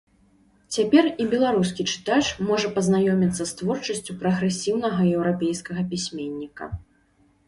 Цяпер і беларускі чытач можа пазнаёміцца з творчасцю прагрэсіўнага еўрапейскага пісьменніка.